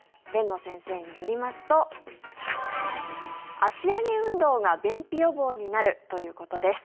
辨野先生によりますと足上げ運動が便秘予防になるということです。